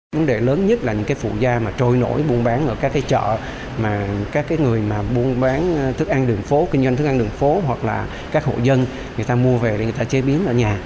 vấn đề lớn nhất là những phụ da mà trôi nổi buôn bán ở các chợ mà các người buôn bán thức ăn đường phố kinh doanh thức ăn đường phố hoặc là các hộ dân người ta mua về để người ta chế biến ở nhà